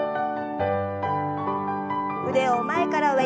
腕を前から上に。